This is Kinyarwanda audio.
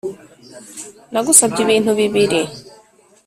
“nagusabye ibintu bibiri,